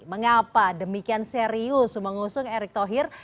mengapa demikian serius mengusung erick thohir